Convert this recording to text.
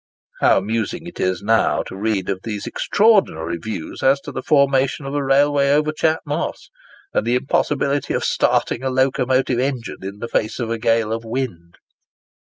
How amusing it now is to read these extraordinary views as to the formation of a railway over Chat Moss, and the impossibility of starting a locomotive engine in the face of a gale of wind!